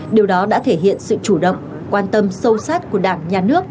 điều đó đã thể hiện sự chủ động quan tâm sâu sát của đảng nhà nước